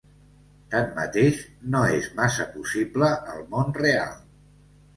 Tanmateix, no és massa possible al món real.